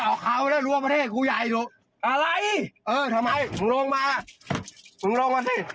เออทำไมมึงลงมาลงมาดี